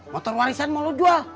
motor warisan mau lo jual